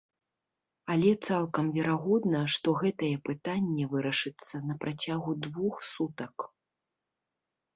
Але цалкам верагодна, што гэтае пытанне вырашыцца на працягу двух сутак.